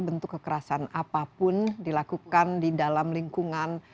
bentuk kekerasan apapun dilakukan di dalam lingkungan